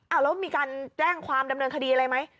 แล้วมีการแจ้งความดำเนินคดีอะไรไหม